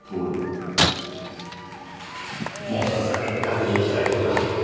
もう１つだけ確認したい事が。